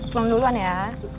pulang duluan ya